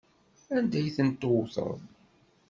Anda ay ten-tewteḍ?